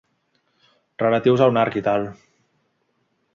Relatius a un arc, i tal.